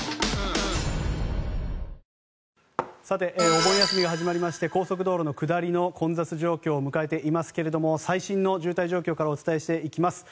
お盆休みが始まりまして高速道路の下りの混雑状況を迎えていますが最新の渋滞状況からお伝えしていきます。